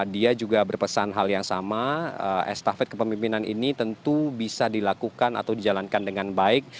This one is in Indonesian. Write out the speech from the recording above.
dan hal yang sama estafet kepemimpinan ini tentu bisa dilakukan atau dijalankan dengan baik